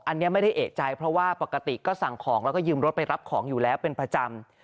อันนี้ไม่ได้เอกใจเพราะว่าปกติก็สั่งของแล้วก็ยืมรถไปรับของอยู่แล้วเป็นประจำ